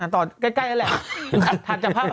ต่อใกล้แล้วแหละถัดจากพระอภัยมณี